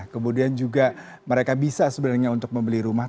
kemudian juga mereka bisa sebenarnya untuk membeli rumah